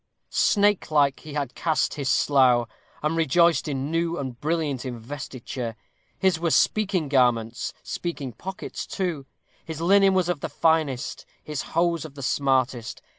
Snakelike he had cast his slough, and rejoiced in new and brilliant investiture. His were "speaking garments, speaking pockets too." His linen was of the finest, his hose of the smartest.